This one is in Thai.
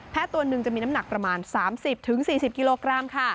ตัวหนึ่งจะมีน้ำหนักประมาณ๓๐๔๐กิโลกรัมค่ะ